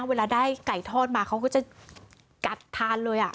เวลาได้ไก่ทอดมาเขาก็จะกัดทานเลย